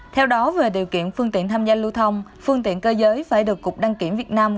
theo đó về điều kiện phương tiện tham gia lưu thông phương tiện cơ giới phải được cục đăng kiểm việt nam